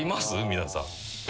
皆さん。